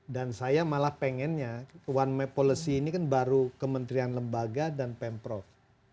dan saya malah pengennya one map policy ini kan baru kementerian lembaga dan pemprov